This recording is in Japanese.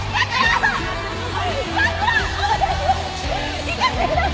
行かせてください！